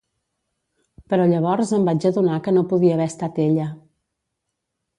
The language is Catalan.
Però llavors em vaig adonar que no podia haver estat ella.